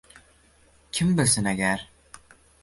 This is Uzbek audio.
Kim bilsin agar.